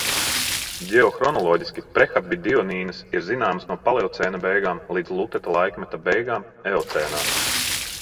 Ģeohronoloģiski prehapidioninīnas ir zināmas no paleocēna beigām līdz luteta laikmeta beigām eocēnā.